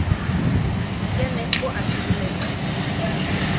Kia nejpo a tuʼulen.